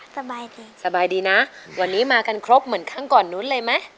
สบายดีสบายดีนะวันนี้มากันครบเหมือนครั้งก่อนนู้นเลยไหม